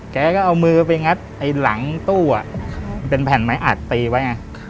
แกก็เอามือไปงัดไอ้หลังตู้เป็นแผ่นไม้อัดตีไว้ไง